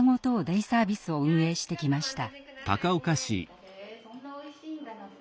デイサービスを運営してきました。